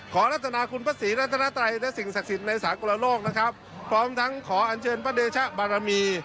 รัฐนาคุณพระศรีรัตนาไตรและสิ่งศักดิ์สิทธิ์ในสากลโลกนะครับพร้อมทั้งขออันเชิญพระเดชะบารมี